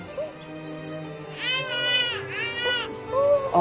あ。